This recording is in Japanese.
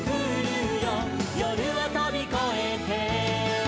「夜をとびこえて」